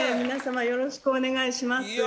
皆さまよろしくお願いします。